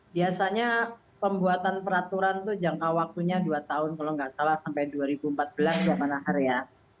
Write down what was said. biasanya pembuatan peraturan itu jangka waktunya dua tahun kalau nggak salah sampai dua ribu empat belas ya pak nahar ya